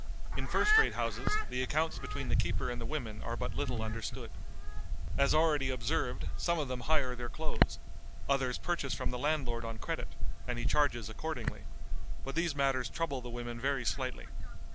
In first rate houses the accounts between the keeper and the women are but little understood. As already observed, some of them hire their clothes; others purchase from the landlord on credit, and he charges accordingly; but these matters trouble the women very slightly.